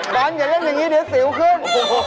บอลอย่าเล่นอย่างนี้เดี๋ยวสิวขึ้น